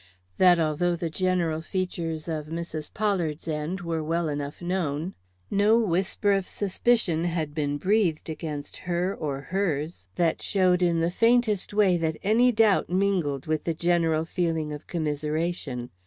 That although the general features of Mrs. Pollard's end were well enough known, no whisper of suspicion had been breathed against her or hers, that showed in the faintest way that any doubt mingled with the general feeling of commiseration.